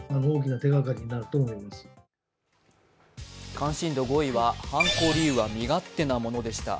関心度５位は、犯行理由は身勝手なものでした。